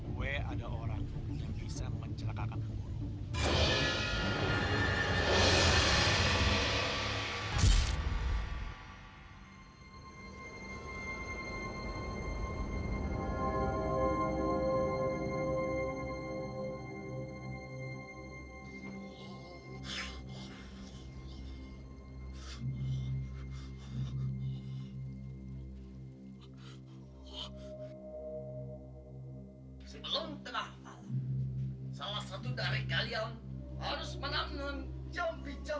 gue ada orang yang bisa mencelakakanmu